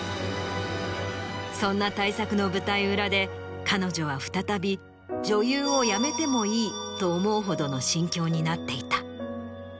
そんな大作の舞台裏で彼女は再び女優を辞めてもいいと思うほどの心境になっていた。